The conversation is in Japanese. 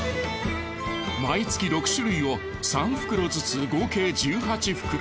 毎月６種類を３袋ずつ合計１８袋。